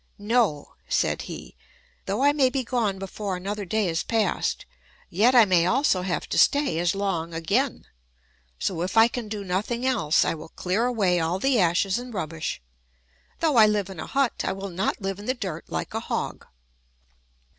—"No," said he, "though I may be gone before another day is past, yet I may also have to stay as long again; so if I can do nothing else, I will clear away all the ashes and rubbish: though I live in a hut, I will not live in the dirt like a hog."